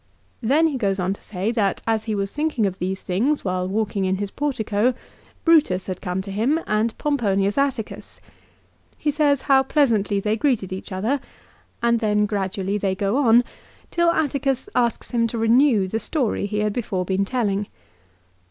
Then he goes on to say that as he was thinking of these things while walking in his portico, Brutus had come to him and Pomponius Atticus. He says how pleasantly they greeted each other, and then gradually they go on, till Atticus asks him to renew the story he had before been telling.